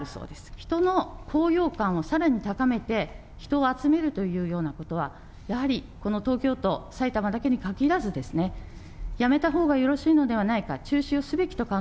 人の高揚感をさらに高めて、人を集めるというようなことは、やはり、この東京都、埼玉だけに限らず、やめたほうがよろしいのではないか、中止をす